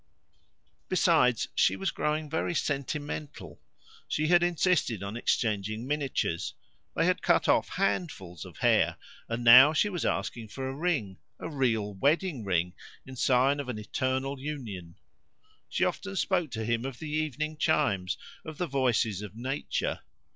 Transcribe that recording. Besides, she was growing very sentimental. She had insisted on exchanging miniatures; they had cut off handfuls of hair, and now she was asking for a ring a real wedding ring, in sign of an eternal union. She often spoke to him of the evening chimes, of the voices of nature.